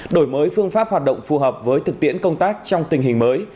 đổi mới phương pháp hoạt động phù hợp với thực tiễn công tác trong tình hình mới